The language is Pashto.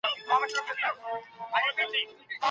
خپل ځانونه په قرضونو کې مه ډوبوئ.